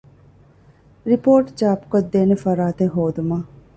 ރިޕޯޓު ޗާޕުކޮށްދޭނެ ފަރާތެއް ހޯދުމަށް